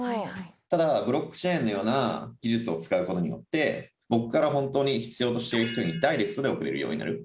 ただブロックチェーンのような技術を使うことによって僕から本当に必要としている人にダイレクトで送れるようになる。